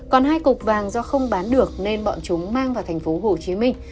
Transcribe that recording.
còn hai cục vàng do không bán được nên bọn chúng mang vào thành phố hồ chí minh